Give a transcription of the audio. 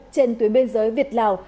trên tuyến biên giới việt lào